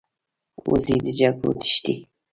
وزې له جګړو تښتي